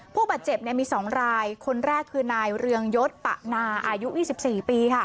ผู้บาดเจ็บมี๒รายคนแรกคือนายเรืองยศปะนาอายุ๒๔ปีค่ะ